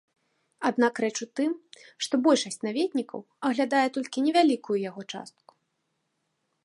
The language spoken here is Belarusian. Аднак рэч у тым, што большасць наведнікаў аглядае толькі невялікую яго частку.